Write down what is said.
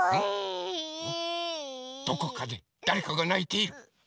どこかでだれかがないている！